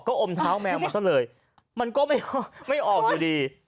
ก็อมเท้าแมวมาซะเลยมันก็ไม่ออกอยู่ดี